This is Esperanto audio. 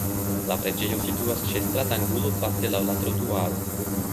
La preĝejo situas ĉe stratangulo parte laŭ la trotuaro.